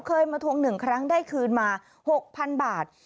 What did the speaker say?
เคยมาทวง๑ครั้งได้คืนมา๖๐๐๐บาท